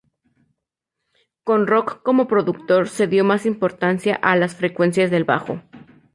Con Rock como productor se dio más importancia a las frecuencias del bajo.